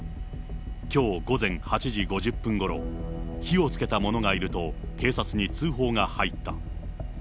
きょう午前８時５０分ごろ、火をつけた者がいると警察に通報が入った。